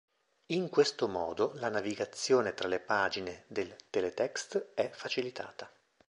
In questo modo la navigazione tra le pagine del teletext è facilitata.